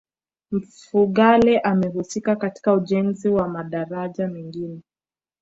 mfugale amehusika katika ujenzi wa madaraja mengine